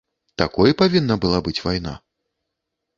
Такой павінна была быць вайна?